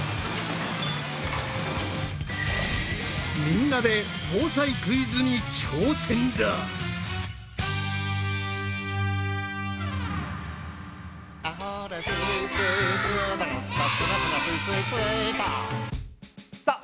みんなで防災クイズに挑戦だ！さあ！